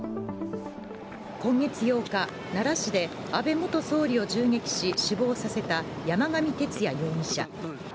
今月８日、奈良市で安倍元総理を銃撃し死亡された山上徹也容疑者。